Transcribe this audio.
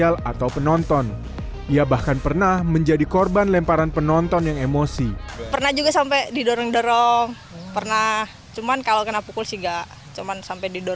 cuman mudah k terr results